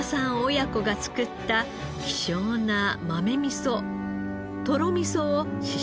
親子が造った希少な豆味噌とろみそを試食してもらいます。